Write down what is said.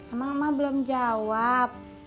emang ema belum jawab